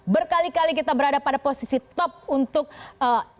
berkali kali kita berada pada posisi top untuk ee